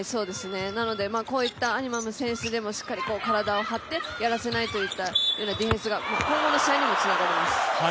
なので、こういったアニマム選手でもしっかり体を張ってやらせないというディフェンスが今後の試合にもつながります。